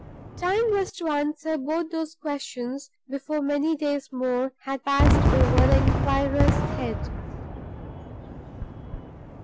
Time was to answer both those questions before many days more had passed over the inquirer's head.